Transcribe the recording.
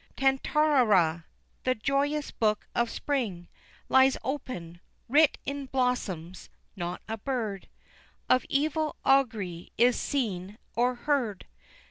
"Tantarara! the joyous Book of Spring Lies open, writ in blossoms; not a bird Of evil augury is seen or heard!